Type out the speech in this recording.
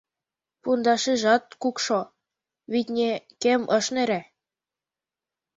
Пундашыжат кукшо, витне, кем ыш нӧрӧ.